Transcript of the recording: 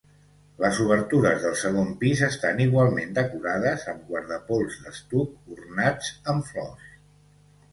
Les obertures del segon pis estan igualment decorades amb guardapols d'estuc, ornats amb flors.